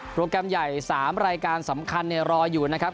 แกรมใหญ่๓รายการสำคัญรออยู่นะครับ